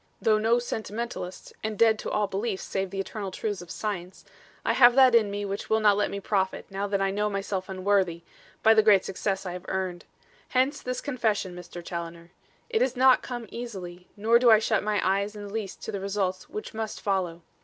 Though no sentimentalist; and dead to all beliefs save the eternal truths of science, I have that in me which will not let me profit, now that I know myself unworthy, by the great success I have earned. Hence this confession, Mr. Challoner. It has not come easily, nor do I shut my eyes in the least to the results which must follow.